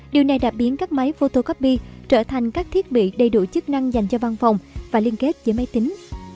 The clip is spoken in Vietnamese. điều này đã biến các máy photocopy trở thành các thiết bị đầy đủ chức năng dành cho văn phòng và liên kết với máy tính